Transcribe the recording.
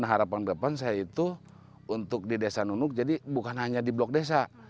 harapan depan saya itu untuk di desa nunuk jadi bukan hanya di blok desa